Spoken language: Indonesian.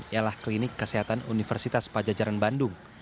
ialah klinik kesehatan universitas pajajaran bandung